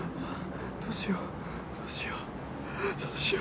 どうしようどうしようどうしよう。